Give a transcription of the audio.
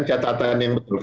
dapatkan catatan yang betul